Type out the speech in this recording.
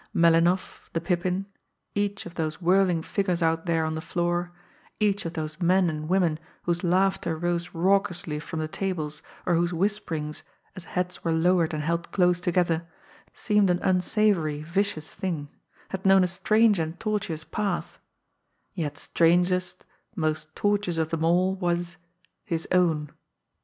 Melinoff, the Pippin, each of those whirling figures out there on the floor, each of those men and women whose laughter rose raucously from the tables, or whose whisperings, as heads were lowered and held close together, seemed an unsavoury, vicious thing, had known a strange and tortuous path; yet strangest, most tortuous of them all, was his own!